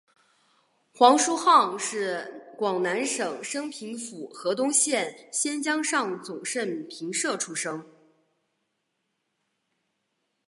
黄叔沆是广南省升平府河东县仙江上总盛平社出生。